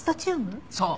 そう。